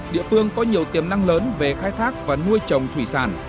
địa phương có nhiều tiềm năng lớn về khai thác và nuôi trồng thủy sản